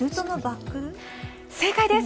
正解です。